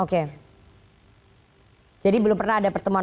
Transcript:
oke jadi belum pernah ada pertemuan